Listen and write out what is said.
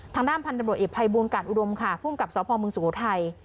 ทางด้านพันธุ์ดำรวจเอกภัยบูรณ์การอุดมค่ะผู้กับสพมสุโขทัย